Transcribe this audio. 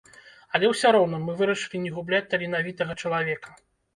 Але ўсё роўна мы вырашылі не губляць таленавітага чалавека.